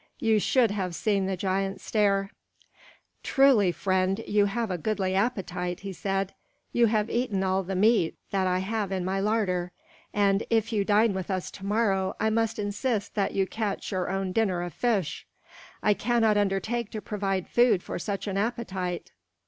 You should have seen the giant stare. "Truly, friend, you have a goodly appetite," he said. "You have eaten all the meat that I have in my larder; and if you dine with us to morrow, I must insist that you catch your own dinner of fish. I cannot undertake to provide food for such an appetite!"